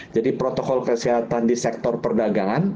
jadi protokol kesehatan di sektor perdagangan